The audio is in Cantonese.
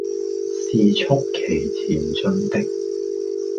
是促其前進的，